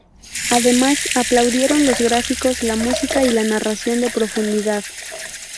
Además, aplaudieron los gráficos, la música, y la narración de profundidad.